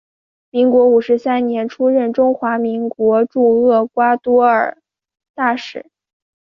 民国五十三年出任中华民国驻厄瓜多尔大使。